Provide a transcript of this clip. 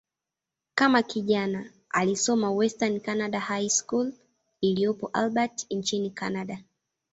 Kama kijana, alisoma "Western Canada High School" iliyopo Albert, nchini Kanada.